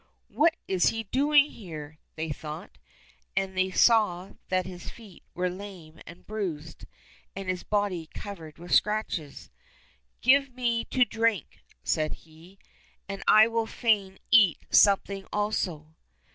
" What is he doing here }" they thought. And they saw that his feet were lame and bruised, and his body covered with scratches. '* Give me to drink," said he, " and I would fain eat something also."